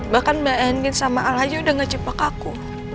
bahkan mbak endin sama al aja udah gak cepet aku